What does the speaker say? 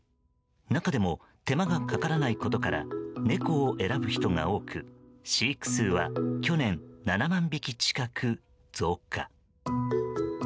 中でも手間がかからないことから猫を選ぶ人が多く飼育数は去年７万匹近く増加。